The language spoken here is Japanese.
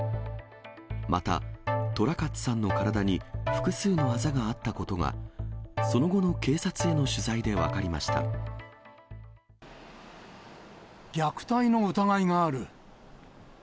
また、寅勝さんの体に複数のあざがあったことが、その後の警察への取材虐待の疑いがある。